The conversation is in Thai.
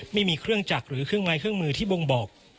ไม่มีเครื่องจักรหรือเครื่องไม้เครื่องมือที่บ่งบอก